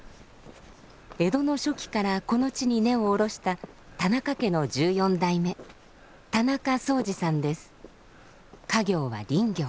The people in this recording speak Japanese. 江戸の初期からこの地に根を下ろした田中家の１４代目家業は林業。